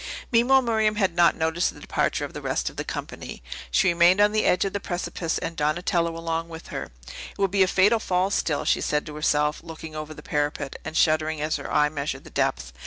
Meanwhile Miriam had not noticed the departure of the rest of the company; she remained on the edge of the precipice and Donatello along with her. "It would be a fatal fall, still," she said to herself, looking over the parapet, and shuddering as her eye measured the depth.